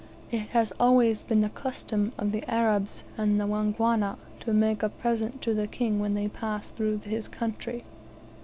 It has always been the custom of the Arabs and the Wangwana to make a present to the King when they pass through his country.